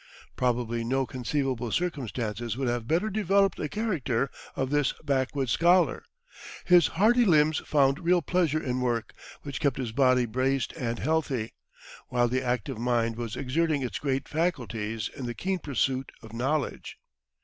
Probably no conceivable circumstances would have better developed the character of this backwoods scholar. His hardy limbs found real pleasure in work, which kept his body braced and healthy, while the active mind was exerting its great faculties in the keen pursuit of knowledge.